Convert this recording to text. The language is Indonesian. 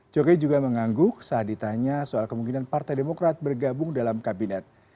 jokowi juga mengangguk saat ditanya soal kemungkinan partai demokrat bergabung dalam kabinet